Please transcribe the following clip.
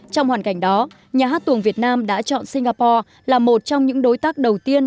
trong hoàn cảnh đó nhà hát tuồng việt nam đã chọn singapore là một trong những đối tác đầu tiên